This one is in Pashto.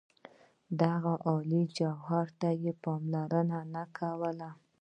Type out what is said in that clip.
دغه عالي جوهر ته یې پاملرنه نه کوله.